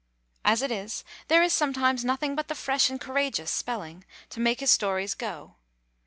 As it is, there is sometimes nothing but the fresh and courageous spelling to make his stories go.